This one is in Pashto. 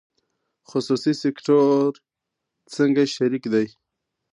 خصوصي سکتور څنګه شریک دی؟